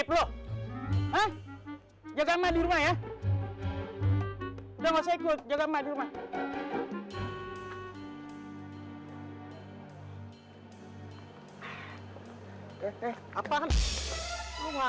pak muhyiddin itu access gue dia udah sudah